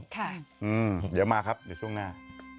เดี๋ยวมาครับช่วงหน้า